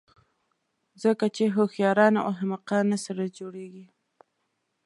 ځکه چې هوښیاران او احمقان نه سره جوړېږي.